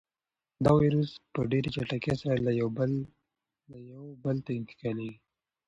دا وېروس په ډېرې چټکۍ سره له یو بل ته انتقالېږي.